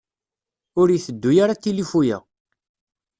Ur iteddu ara tilifu-ya.